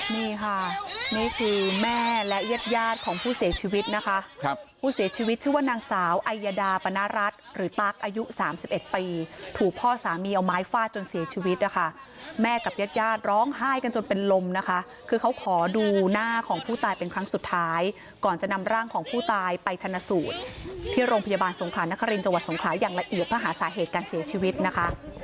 นี่ค่ะนี่คือแม่และเย็ดยาดของผู้เสียชีวิตนะคะครับผู้เสียชีวิตชื่อว่านางสาวไอยาดาปนารัสหรือตั๊กอายุ๓๑ปีถูกพ่อสามีเอาไม้ฝ้าจนเสียชีวิตนะคะแม่กับเย็ดยาดร้องไห้กันจนเป็นลมนะคะคือเขาขอดูหน้าของผู้ตายเป็นครั้งสุดท้ายก่อนจะนำร่างของผู้ตายไปธนสูตรที่โรงพยาบาลสงครานคลินจังหวัดสง